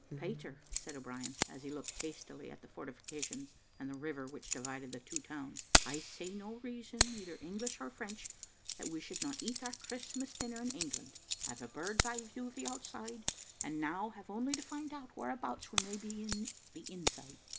"Peter," said O'Brien, as he looked hastily at the fortifications and the river which divided the two towns, "I see no reason, either English or French, that we should not eat our Christmas dinner in England. I've a bird's eye view of the outside, and now have only to find out whereabouts we may be in the inside."